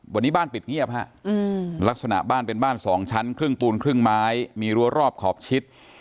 วันนี้บ้านปิดเงียบฮะลักษณะบ้านเป็นบ้าน๒ชั้นครึ่งปูนครึ่งไม้มีรั้วรอบขอบชิด